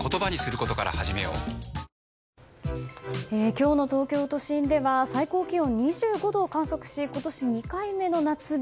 今日の東京都心では最高気温２５度を観測し、今年２回目の夏日。